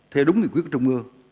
theo đúng nghị quyết của trung ương